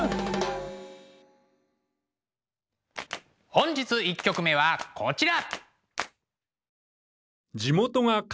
本日１曲目はこちら。